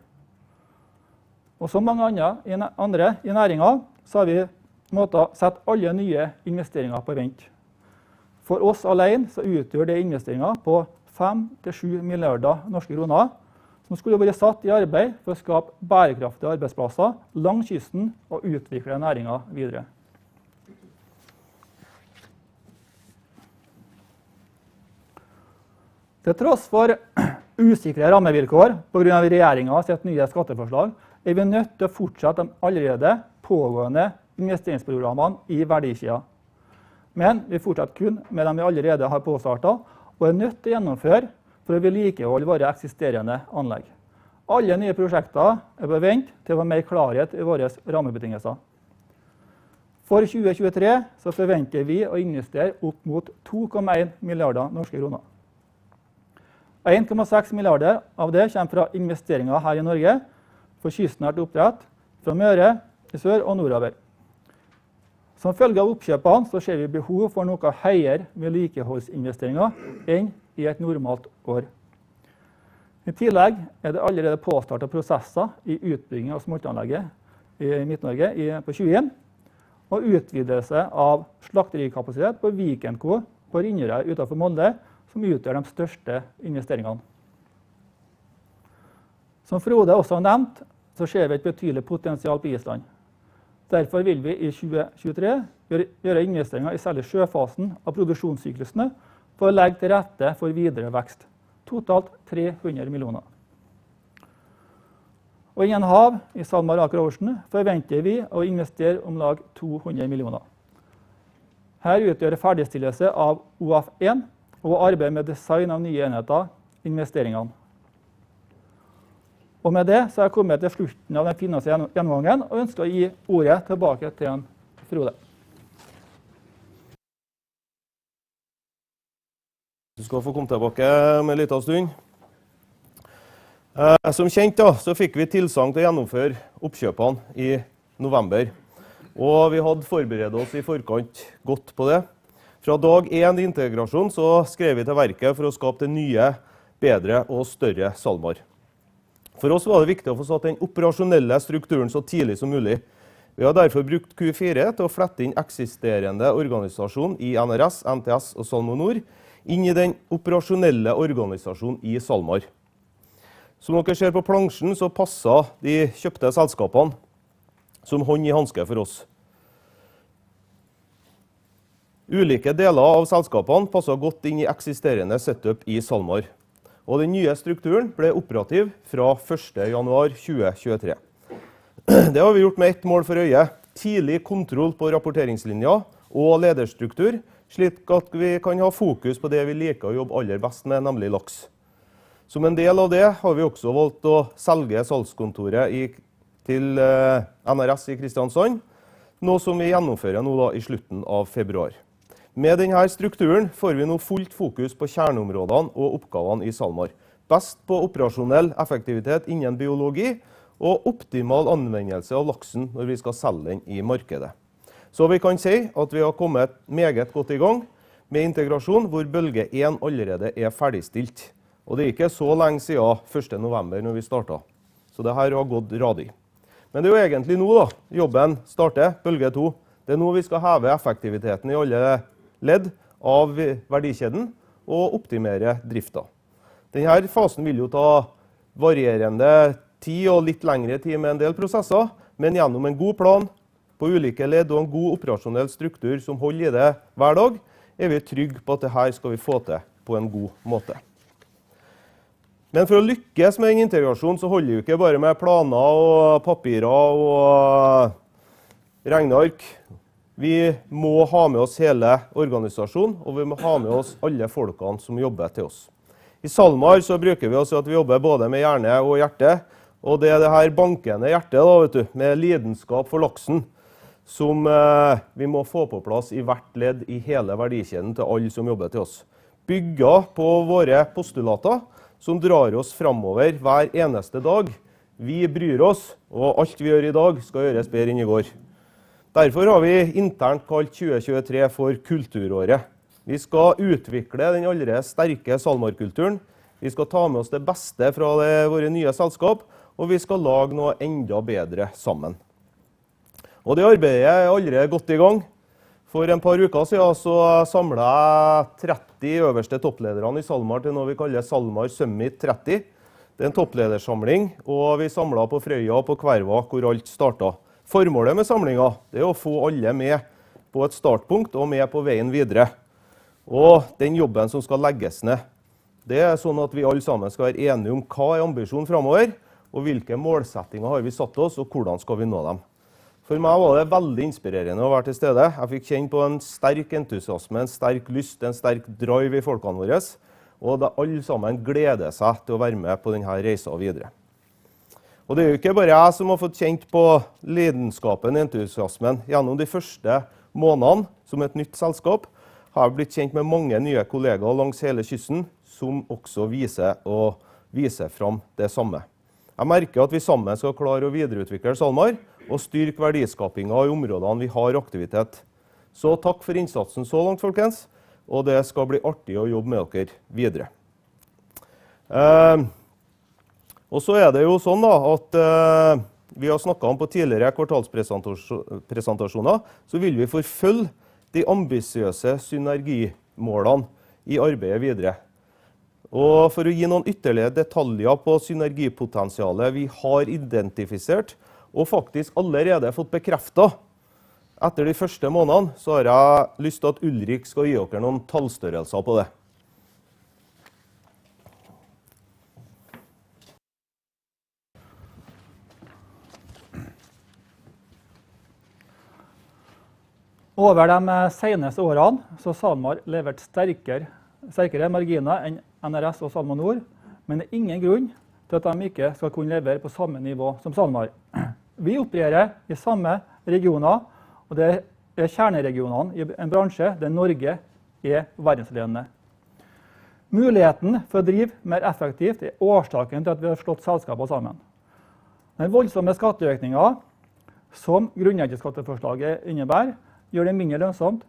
Som mange andre i næringen så har vi måttet sette alle nye investeringer på vent. For oss alene så utgjør det investeringer på 5 milliarder-7 milliarder kroner som skulle vært satt i arbeid for å skape bærekraftige arbeidsplasser langs kysten og utvikle næringen videre. Til tross for usikre rammevilkår på grunn av regjeringens nye skatteforslag, er vi nødt til å fortsette de allerede pågående investeringsprogrammene i verdikjeden. Vi fortsetter kun med de vi allerede har påstartet og er nødt til å gjennomføre for å vedlikeholde våre eksisterende anlegg. Alle nye prosjekter er på vent til vi har mer klarhet i våre rammebetingelser. For 2023 så forventer vi å investere opp mot 2.1 billion norske kroner. 1.6 billion av det kommer fra investeringer her i Norge for kystnært oppdrett fra Møre i sør og nordover. Som følge av oppkjøpene så ser vi behov for noe høyere vedlikeholdsinvesteringer enn i et normalt år. I tillegg er det allerede påstartet prosesser i utbygging av smoltanlegget i Midt-Norge i 2021 og utvidelse av slakterikapasitet på Vikenco på Rindøya utenfor Molde, som utgjør de største investeringene. Som Frode også har nevnt, så ser vi et betydelig potensial på Island. Derfor vil vi i 2023 gjøre investeringer i særlig sjøfasen av produksjonssyklusene for å legge til rette for videre vekst. Totalt 300 million. Og i SalMar Aker Ocean forventer vi å investere om lag 200 million. Her utgjør ferdigstillelse av OF 1 og arbeid med design av nye enheter investeringene. Med det så har jeg kommet til slutten av den finansielle gjennomgangen og ønsker å gi ordet tilbake til han Frode. Du skal få komme tilbake om en liten stund. Som kjent da fikk vi tilsagn til å gjennomføre oppkjøpene i November, og vi hadde forberedt oss i forkant godt på det. Fra day 1 i integrasjonen skritt vi til verket for å skape det nye, bedre og større SalMar. For oss var det viktig å få satt den operasjonelle strukturen så tidlig som mulig. Vi har derfor brukt Q4 til å flette inn eksisterende organisasjon i NRS, NTS og SalmoNor inn i den operasjonelle organisasjonen i SalMar. Som dere ser på plansjen passer de kjøpte selskapene som hånd i hanske for oss. Ulike deler av selskapene passer godt inn i eksisterende setup i SalMar, og den nye strukturen ble operativ fra January 1, 2023. Det har vi gjort med ett mål for øye: tidlig kontroll på rapporteringslinjer og lederstruktur, slik at vi kan ha fokus på det vi liker å jobbe aller best med, nemlig laks. Som en del av det har vi også valgt å selge salgskontoret til NRS i Kristiansand, noe som vi gjennomfører nå da i slutten av February. Med den her strukturen får vi nå fullt fokus på kjerneområdene og oppgavene i SalMar. Best på operasjonell effektivitet innen biologi og optimal anvendelse av laksen når vi skal selge den i markedet. Vi kan si at vi har kommet meget godt i gang med integrasjon hvor bølge 1 allerede er ferdigstilt. Det er ikke så lenge siden first November når vi startet, så det her har gått radig. Det er jo egentlig nå da jobben starter bølge 2. Det er nå vi skal heve effektiviteten i alle ledd av verdikjeden og optimere driften. Den her fasen vil jo ta varierende tid og litt lengre tid med en del prosesser. Gjennom en god plan på ulike ledd og en god operasjonell struktur som holder i det hver dag, er vi trygg på at det her skal vi få til på en god måte. For å lykkes med en integrasjon så holder det ikke bare med planer og papirer og regneark. Vi må ha med oss hele organisasjonen, og vi må ha med oss alle folkene som jobber til oss. I SalMar så bruker vi oss av at vi jobber både med hjerne og hjerte, og det er det her bankende hjertet da vet du med lidenskap for laksen som vi må få på plass i hvert ledd i hele verdikjeden til alle som jobber til oss. Bygget på våre postulater som drar oss framover hver eneste dag. Vi bryr oss, og alt vi gjør i dag skal gjøres bedre enn i går. Derfor har vi internt kalt 2023 for kulturåret. Vi skal utvikle den allerede sterke SalMar kulturen. Vi skal ta med oss det beste fra våre nye selskap, og vi skal lage noe enda bedre sammen. Det arbeidet er allerede godt i gang. For et par uker siden så samlet jeg 30 øverste topplederne i SalMar til noe vi kaller SalMar Summit 30. Det er en toppledersamling. Vi samlet på Frøya på Kverva, hvor alt startet. Formålet med samlingen det er å få alle med på et startpunkt og med på veien videre. Den jobben som skal legges ned. Det er sånn at vi alle sammen skal være enige om hva er ambisjonene fremover og hvilke målsettinger har vi satt oss og hvordan skal vi nå dem. For meg var det veldig inspirerende å være til stede. Jeg fikk kjenne på en sterk entusiasme, en sterk lyst, en sterk drive i folkene våres og alle sammen gleder seg til å være med på den her reisen videre. Det er jo ikke bare jeg som har fått kjenne på lidenskapen, entusiasmen gjennom de første månedene. Som et nytt selskap har jeg blitt kjent med mange nye kollegaer langs hele kysten som også viser og viser frem det samme. Jeg merker at vi sammen skal klare å videreutvikle SalMar og styrke verdiskapingen i områdene vi har aktivitet. Takk for innsatsen så langt folkens! Det skal bli artig å jobbe med dere videre. Så er det jo sånn da at vi har snakket om på tidligere kvartalspresentasjoner, så vil vi forfølge de ambisiøse synergimålene i arbeidet videre. For å gi noen ytterlige detaljer på synergipotensialet vi har identifisert og faktisk allerede fått bekreftet etter de første månedene, så har jeg lyst til at Ulrik skal gi dere noen tallstørrelser på det. Over de seneste årene så har SalMar levert sterkere marginer enn NRS og SalmoNor. Det er ingen grunn til at de ikke skal kunne levere på samme nivå som SalMar. Vi opererer i samme regioner. Det er kjerneregionene i en bransje der Norge er verdensledende. Muligheten for å drive mer effektivt er årsaken til at we har slått selskapene sammen. Den voldsomme skatteøkningen som grunnrenteskatteforslaget innebærer gjør det mindre lønnsomt.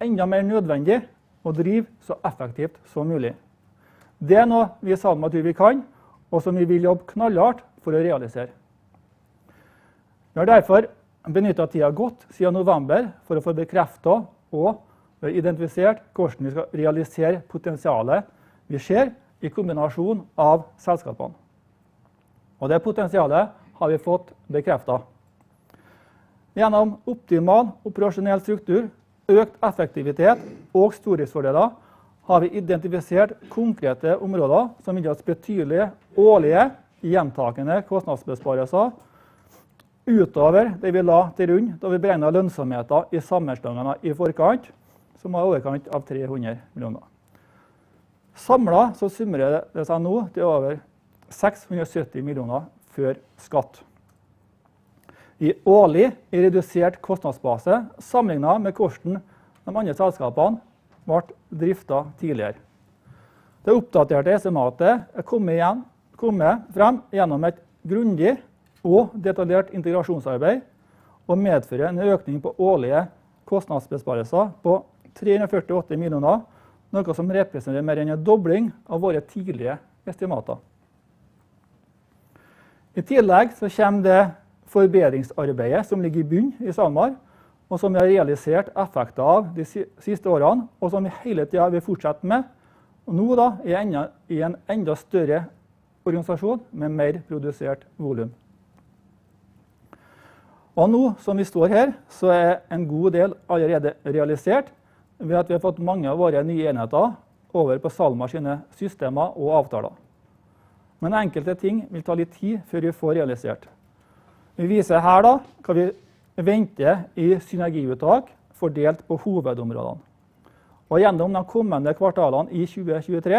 Enda mer nødvendig å drive så effektivt som mulig. Det er noe vi i SalMar tror vi kan. Som vi vil jobbe knallhardt for å realisere. Vi har derfor benyttet tiden godt siden november for å få bekreftet og identifisert hvordan vi skal realisere potensialet vi ser i kombinasjon av selskapene. Det potensialet har vi fått bekreftet. Gjennom optimal operasjonell struktur, økt effektivitet og stordriftsfordeler har vi identifisert konkrete områder som indikerer betydelige årlige gjentakende kostnadsbesparelser utover det vi la til grunn da vi beregnet lønnsomheten i sammenstillingene i forkant, som var i overkant av 300 million. Samlet summerer det seg nå til over 670 million før skatt. I årlig redusert kostnadsbase sammenlignet med hvordan de andre selskapene vart driftet tidligere. Det oppdaterte estimatet er kommet igjen, kommet frem gjennom et grundig og detaljert integrasjonsarbeid og medfører en økning på årlige kostnadsbesparelser på 348 million, noe som representerer mer enn en dobling av våre tidlige estimater. I tillegg kommer det forbedringsarbeidet som ligger i bunnen i SalMar, og som vi har realisert effekter av de siste årene, og som vi hele tiden vil fortsette med. Og nå da i en enda større organisasjon med mer produsert volum. Nå som vi står her, så er en god del allerede realisert ved at vi har fått mange av våre nye enheter over på SalMar sine systemer og avtaler. Enkelte ting vil ta litt tid før vi får realisert. Vi viser her da hva vi venter i synergiuttak fordelt på hovedområdene. Gjennom de kommende kvartalene i 2023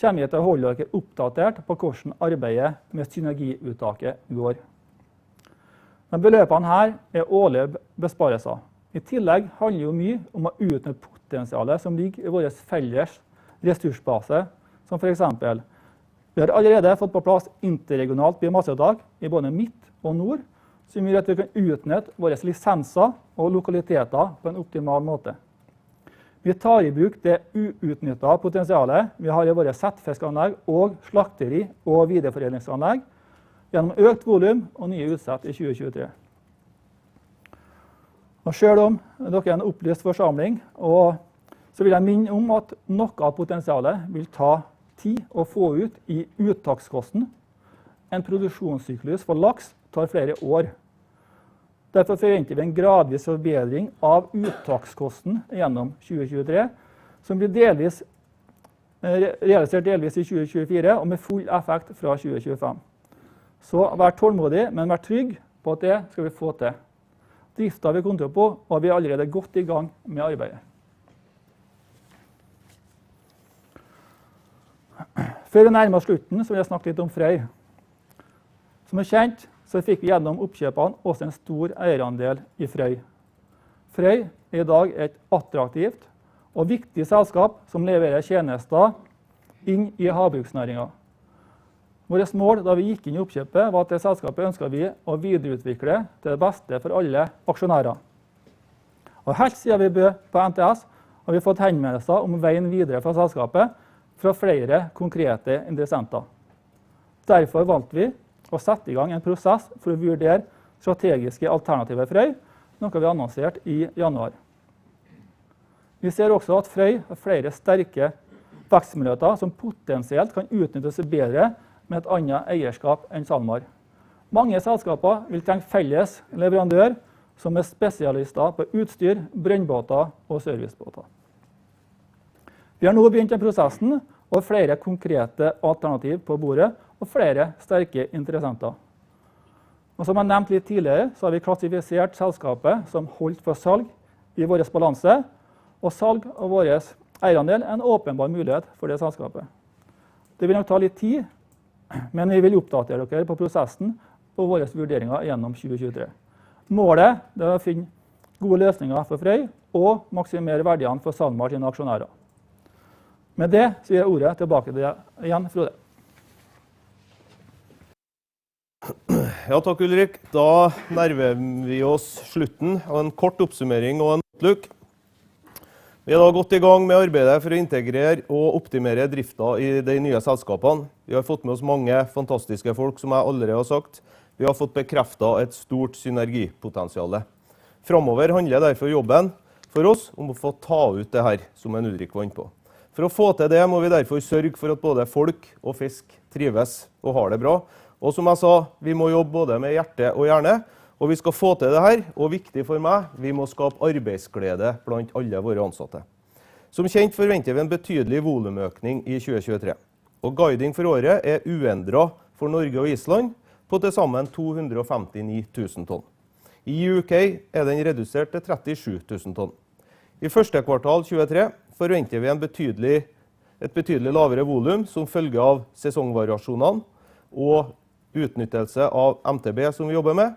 kommer vi til å holde dere oppdatert på hvordan arbeidet med synergiuttaket går. Beløpene her er årlige besparelser. I tillegg handler jo mye om å utnytte potensialet som ligger i våres felles ressursbase. For eksempel vi har allerede fått på plass interregionalt biomasseuttak i både midt og nord, som gjør at vi kan utnytte våre lisenser og lokaliteter på en optimal måte. Vi tar i bruk det uutnyttede potensialet vi har i våre settfiskanlegg og slakteri og videreforedlingsanlegg gjennom økt volum og nye utsett i 2023. Selv om dere er en opplyst forsamling, vil jeg minne om at noe av potensialet vil ta tid å få ut i uttakskosten. En produksjonssyklus for laks tar flere år. Forventer vi en gradvis forbedring av uttakskosten gjennom 2023, som blir delvis realisert i 2024 og med full effekt fra 2025. Vær tålmodig, men vær trygg på at det skal vi få til. Drifta har vi kontroll på, vi er allerede godt i gang med arbeidet. Før vi nærmer oss slutten vil jeg snakke litt om Frøy. Som er kjent, fikk vi gjennom oppkjøpene også en stor eierandel i Frøy. Frøy er i dag et attraktivt og viktig selskap som leverer tjenester inn i havbruksnæringen. Våres mål da vi gikk inn i oppkjøpet var at det selskapet ønsket vi å videreutvikle til det beste for alle aksjonærer. Helt siden vi bød på NTS, har vi fått henvendelser om veien videre for selskapet fra flere konkrete interessenter. Derfor valgte vi å sette i gang en prosess for å vurdere strategiske alternativer i Frøy, noe vi annonserte i januar. Vi ser også at Frøy har flere sterke vekstmuligheter som potensielt kan utnyttes bedre med et annet eierskap enn SalMar. Mange selskaper vil trenge felles leverandør som er spesialister på utstyr, brønnbåter og servicebåter. Vi har nå begynt på prosessen og har flere konkrete alternativer på bordet og flere sterke interessenter. Som jeg nevnte litt tidligere så har vi klassifisert selskapet som holdt for salg i våres balanse og salg av våres eierandel er en åpenbar mulighet for det selskapet. Det vil nok ta litt tid, men vi vil oppdatere dere på prosessen og våre vurderinger gjennom 2023. Målet det er å finne gode løsninger for Frøy og maksimere verdiene for SalMar sine aksjonærer. Med det så gir jeg ordet tilbake til deg igjen, Frode. Takk Ulrik. Nærmer vi oss slutten og en kort oppsummering og en outlook. Vi er da godt i gang med arbeidet for å integrere og optimize driften i de nye selskapene. Vi har fått med oss mange fantastiske folk som jeg allerede har sagt. Vi har fått bekreftet et stort synergy potential. Fremover handler derfor jobben for oss om å få ta ut det her som en Ulrik var inne på. For å få til det må vi derfor sørge for at både folk og fisk trives og har det bra. Som jeg sa, vi må jobbe både med hjerte og hjerne. Vi skal få til det her. Viktig for meg, vi må skape arbeidsglede blant alle våre ansatte. Som kjent forventer vi en betydelig volumøkning i 2023, og guiding for året er uendret for Norway and Iceland på til sammen 259,000 tons. I UK er den redusert til 37,000 tons. I Q1 2023 forventer vi et betydelig lavere volum som følge av sesongvariasjonene og utnyttelse av MTB som vi jobber med.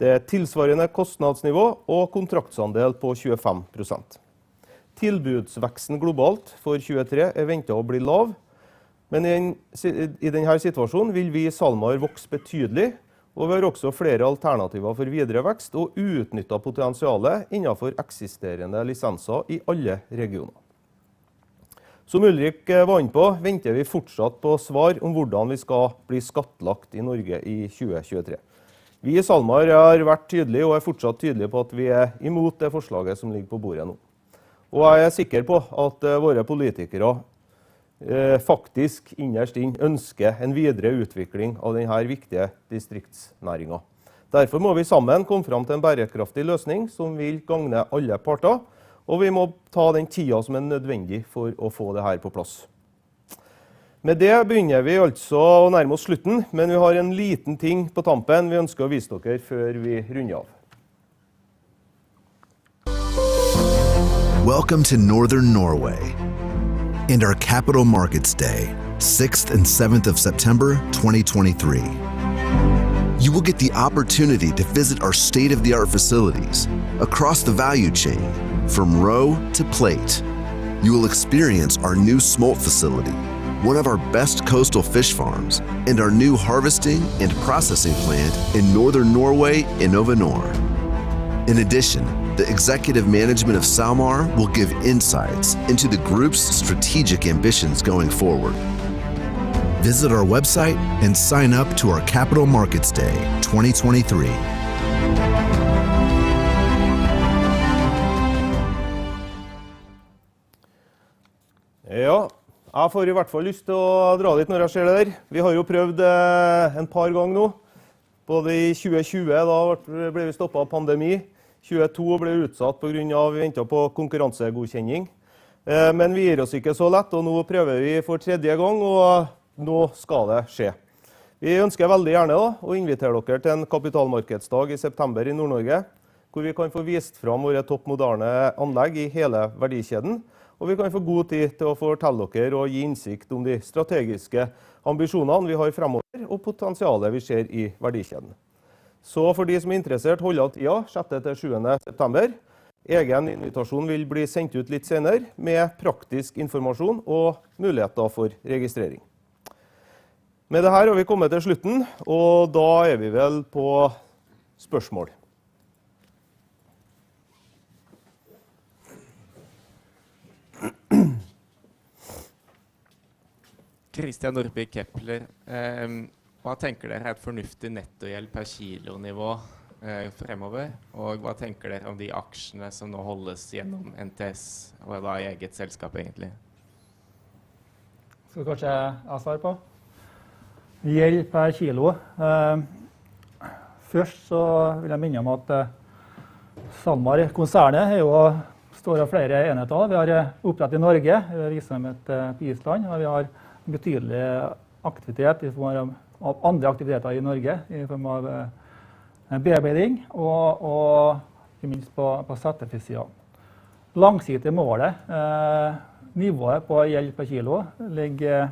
Det er tilsvarende kostnadsnivå og kontraktsandel på 25%. Tilbudsveksten globalt for 2023 er ventet å bli lav, men i den her situasjonen vil vi i SalMar vokse betydelig. Vi har også flere alternativer for videre vekst og uutnyttet potensiale innenfor eksisterende lisenser i alle regioner. Som Ulrik var inne på, venter vi fortsatt på svar om hvordan vi skal bli skattlagt i Norway i 2023. Vi i SalMar har vært tydelige og er fortsatt tydelig på at vi er imot det forslaget som ligger på bordet nå. Jeg er sikker på at våre politikere, faktisk innerst inn ønsker en videre utvikling av den her viktige distriktsnæringen. Derfor må vi sammen komme frem til en bærekraftig løsning som vil gagne alle parter, og vi må ta den tiden som er nødvendig for å få det her på plass. Med det begynner vi altså å nærme oss slutten, men vi har en liten ting på tampen vi ønsker å vise dere før vi runder av. Welcome to Northern Norway and our Capital Markets Day, 6th and 7th of September 2023. You will get the opportunity to visit our state of the art facilities across the value chain from row to plate. You will experience our new smolt facility, one of our best coastal fish farms and our new harvesting and processing plant in Northern Norway in InnovaNor. In addition, the executive management of SalMar will give insights into the group's strategic ambitions going forward. Visit our website and sign up to our Capital Markets Day 2023. Ja, jeg får i hvert fall lyst til å dra dit når jeg ser det der. Vi har jo prøvd en par ganger nå, både i 2020. Da ble vi stoppet av pandemi. 2022 ble utsatt på grunn av vi ventet på konkurransegodkjenning. Vi gir oss ikke så lett, og nå prøver vi for third time, og nå skal det skje. Vi ønsker veldig gjerne da å invitere dere til en kapitalmarkedsdag i september i Nord-Norge, hvor vi kan få vist frem våre toppmoderne anlegg i hele verdikjeden, og vi kan få god tid til å fortelle dere og gi innsikt om de strategiske ambisjonene vi har fremover og potensialet vi ser i verdikjeden. For de som er interessert hold av, ja, sixth to seventh September. Egen invitasjon vil bli sendt ut litt senere med praktisk informasjon og muligheter for registrering. Med det her har vi kommet til slutten, og da er vi vel på spørsmål. Kepler. Hva tenker dere er et fornuftig nettogjeld per kilo nivå fremover? Hva tenker dere om de aksjene som nå holdes gjennom NTS og da i eget selskap egentlig? Skal kanskje jeg svare på? Gjeld per kilo. Først så vil jeg minne om at SalMar-konsernet jo står av flere enheter. Vi har oppdrett i Norge. Vi viser dem et i Island, og vi har betydelig aktivitet i form av andre aktiviteter i Norge, i form av bearbeiding og ikke minst på settefisk siden. Langsiktig mål er nivået på gjeld per kilo ligger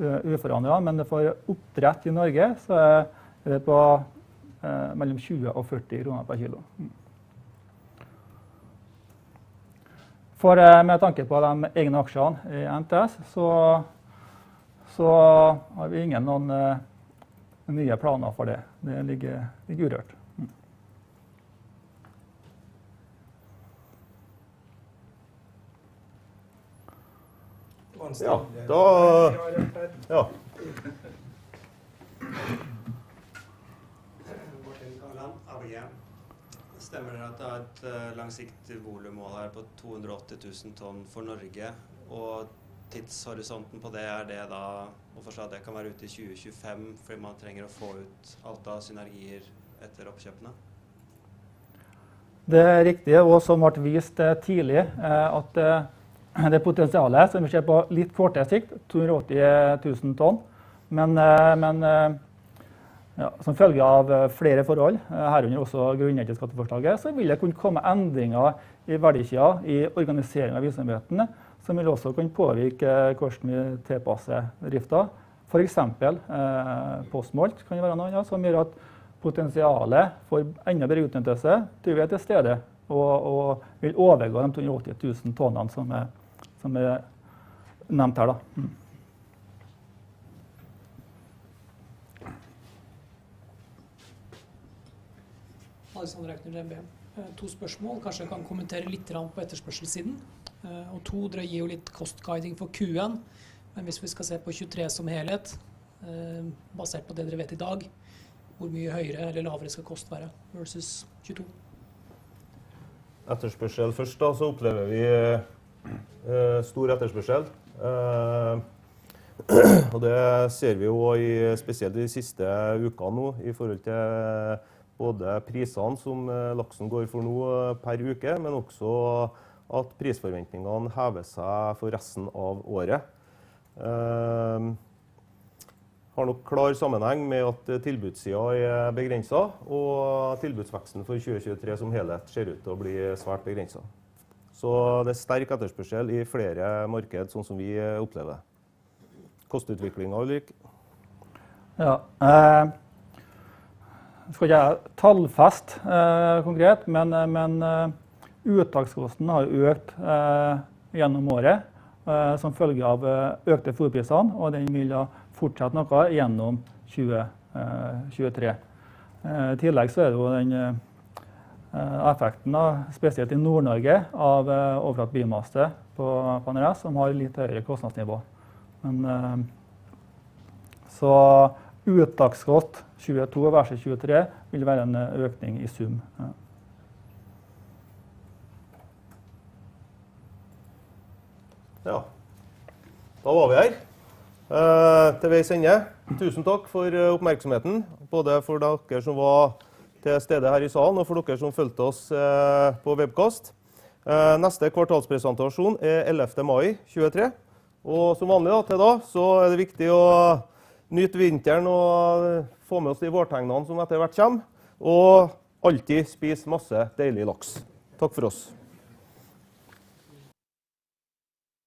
uforandret. Men for oppdrett i Norge så er det på mellom 20 og 40 kroner per kilo. For med tanke på de egne aksjene i NTS så har vi ingen noen nye planer for det. Det ligger urørt. Ja, da. Ja. Martin Kamland, ABG. Stemmer det at det er et langsiktig volum mål her på 280,000 tons for Norway, og tidshorisonten på det er det da og forslag det kan være ute i 2025 fordi man trenger å få ut alt av synergier etter oppkjøpene? Det er riktig og som vart vist tidligere, at det potensialet som vi ser på litt kortere sikt. 280,000 tonn. Ja, som følge av flere forhold, herunder også grunnrenteskatteforslaget, så vil det kunne komme endringer i verdikjeden i organiseringen av virksomhetene, som vil også kunne påvirke hvordan vi tilpasser driften. For eksempel, på smolt kan jo være noe som gjør at potensialet for enda bedre utnyttelse tror vi er til stede og vil overgå de 280,000 tonnene som er nevnt her da. Two spørsmål. Kanskje du kan kommentere litt på etterspørselssiden, og two dere gir jo litt cost guiding for Q1. Hvis vi skal se på 2023 som helhet, basert på det dere vet i dag, hvor mye høyere eller lavere skal kost være versus 2022? Etterspørsel først da, så opplever vi stor etterspørsel. Det ser vi jo i spesielt de siste ukene nå i forhold til både prisene som laksen går for nå per uke, men også at prisforventningene hever seg for resten av året. Har nok klar sammenheng med at tilbudssiden er begrenset og tilbudsveksten for 2023 som helhet ser ut til å bli svært begrenset. Det er sterk etterspørsel i flere marked sånn som vi opplever. Kostnadsutvikling, Oliver. Skal ikke tallfeste konkret, men uttakskosten har økt gjennom året, som følge av økte fôrprisene, og den vil da fortsette noe gjennom 2023. I tillegg so er det jo den effekten da, spesielt i Nord-Norge av overført biomasse på NRS som har litt høyere kostnadsnivå. Uttakskost 2022 versus 2023 vil være en økning i sum. Ja, da var vi her til veis ende. Tusen takk for oppmerksomheten, både for dere som var til stede her i salen og for dere som fulgte oss på webcast. Neste kvartalspresentasjon er 11th of May 2023. Som vanlig da til da så er det viktig å nyte vinteren og få med oss de vårtegnene som etter hvert kommer og alltid spis masse deilig laks. Takk for oss!